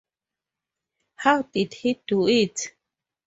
How did he do it?